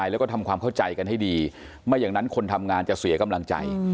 แล้วก็ทำความเข้าใจกันให้ดีไม่อย่างนั้นคนทำงานจะเสียกำลังใจ